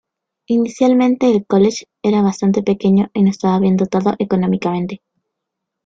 Inicialmente el college era bastante pequeño y no estaba bien dotado económicamente.